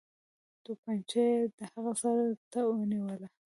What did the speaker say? توپنچه یې د هغه سر ته ونیوله.